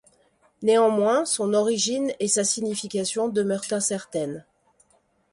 Néanmoins, son origine et sa signification demeurent incertaines.